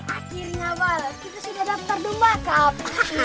akhirnya bal kita sudah daftar domba cup